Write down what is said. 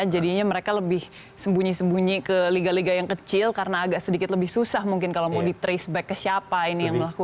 jadinya mereka lebih sembunyi sembunyi ke liga liga yang kecil karena agak sedikit lebih susah mungkin kalau mau di trace back ke siapa ini yang melakukan